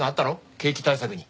景気対策に。